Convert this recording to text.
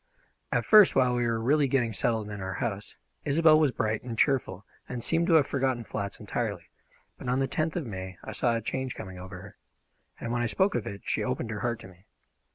At first, while we were really getting settled in our house, Isobel was bright and cheerful and seemed to have forgotten flats entirely but on the tenth of May I saw a change coming over her, and when I spoke of it she opened her heart to me.